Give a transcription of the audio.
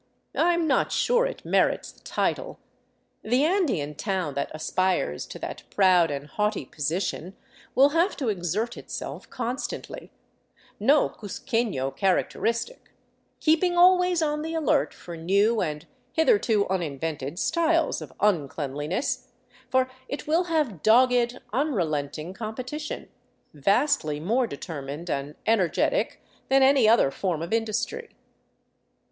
I am not sure it merits the title. The Andean town that aspires to that proud, and haughty position will have to exert itself constantly — no cuzquefio characteristic — keeping always on the alert for new and hitherto un invented styles of uncleanliness ; for it will have dogged, unrelenting competition, vastly more determined and energetic than any other form of industry.